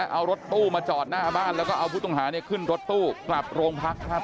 เอารถตู้มาจอดหน้าบ้านแล้วก็เอาผู้ต้องหาขึ้นรถตู้กลับโรงพักครับ